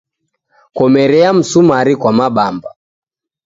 Komerea msumari kwa mabamba